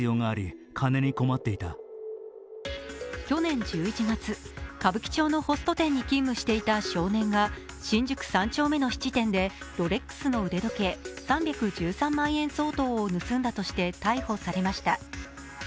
去年１１月、歌舞伎町のホスト店に勤務していた少年が新宿３丁目の質店でロレックスの腕時計３１３万円相当を盗んだとして逮捕されました。